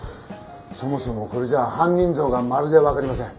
そもそもこれじゃ犯人像がまるでわかりません。